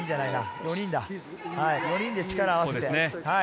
４人で力を合わせて。